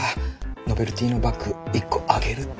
ノベルティのバッグ１個あげるって。